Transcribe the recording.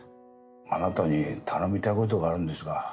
あなたに頼みたいことがあるんですが。